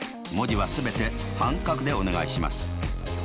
文字は全て半角でお願いします。